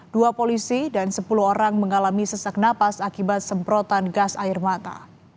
dua polisi dan sepuluh orang mengalami sesak napas akibat semprotan gas air mata